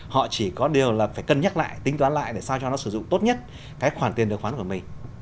họ chỉ có điều là phải cân nhắc lại tính toán lại để sao cho nó sử dụng tốt nhất cái khoản tiền điều khoản của mình